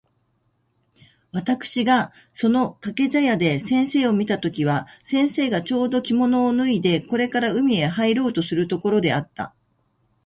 私（わたくし）がその掛茶屋で先生を見た時は、先生がちょうど着物を脱いでこれから海へ入ろうとするところであった。